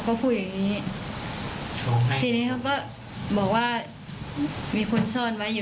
เขาก็ว่าอย่างนี้